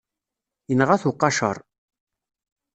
Inɣa-t uqaceṛ.